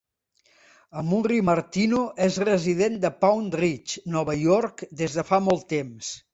Amurri Martino és resident de Pound Ridge, Nova York des de fa molt temps.